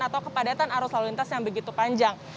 atau kepadatan arus lalu lintas yang begitu panjang